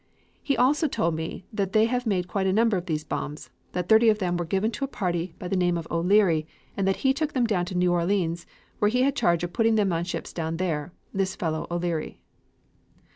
He also told me that they have made quite a number of these bombs; that thirty of them were given to a party by the name of O'Leary, and that he took them down to New Orleans where he had charge of putting them on ships down there, this fellow O'Leary."